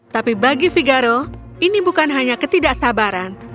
tapi bagi figaro ini bukan hanya ketidaksabaran